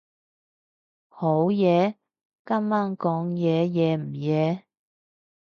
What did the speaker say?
好夜？今晚講嘢夜唔夜？